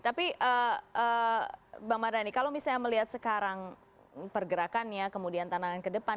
tapi bang mardhani kalau misalnya melihat sekarang pergerakannya kemudian tanaman ke depan